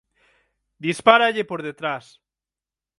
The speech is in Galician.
Dispáralle por detrás.